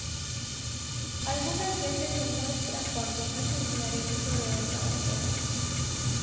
Algunas veces se muestra cuando no es necesario el uso de otra bandera.